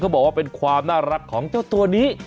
บอกว่าเป็นความน่ารักของเจ้าตัวนี้